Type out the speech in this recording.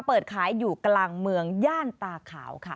เปิดขายอยู่กลางเมืองย่านตาขาวค่ะ